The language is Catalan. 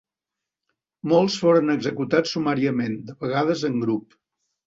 Molts foren executats sumàriament, de vegades en grup.